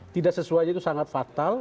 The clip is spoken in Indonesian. tidak sesuai itu sangat fatal